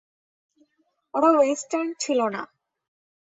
ওটা ওয়েস্টার্ন ছিল না।